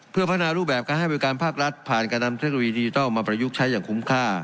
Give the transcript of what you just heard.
เพื่อพัฒนารูปแบบการให้บริการภาครัฐผ่านการนำเทคโนโลยีดิจิทัลมาประยุกต์ใช้อย่างคุ้มค่า